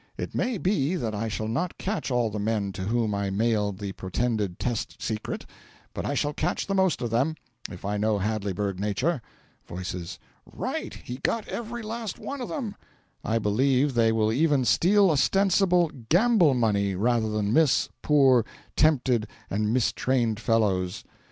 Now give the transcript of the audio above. It may be that I shall not catch all the men to whom I mailed the pretended test secret, but I shall catch the most of them, if I know Hadleyburg nature. (Voices. "Right he got every last one of them.") I believe they will even steal ostensible GAMBLE money, rather than miss, poor, tempted, and mistrained fellows.